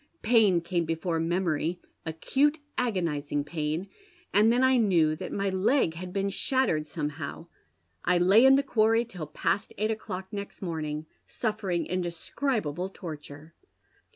Pain came befor memory, acute, agonizing pain, and then I knew that my leg hav.. been shattered somehow. I lay in the quarry till past eight o'clock next morning, suffering indescribable torture.